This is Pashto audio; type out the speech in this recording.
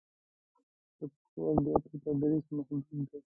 د پښتو ادبیاتو تدریس محدود دی.